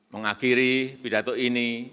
mengakhiri pidato ini